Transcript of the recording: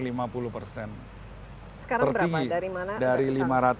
sekarang berapa dari mana